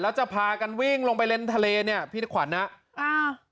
แล้วจะพากันวิ่งลงไปเล่นทะเลเนี่ยพี่ขวัญนะอ้าว